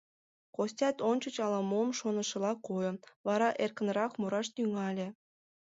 Костят ончыч ала-мом шонышыла койо, вара эркынрак мураш тӱҥале.